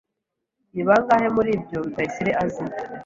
Ni bangahe muri ibyo Rutayisire azi?